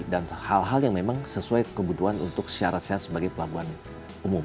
dan hal hal yang memang sesuai kebutuhan untuk syarat saya sebagai pelabuhan umum